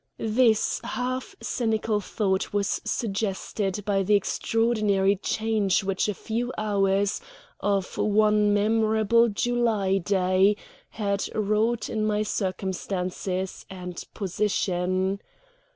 This half cynical thought was suggested by the extraordinary change which a few hours of one memorable July day had wrought in my circumstances and position.